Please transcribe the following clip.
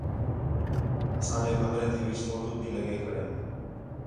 اساں جے کمرے تے وِچ فوٹو بھی لڳے کھڑین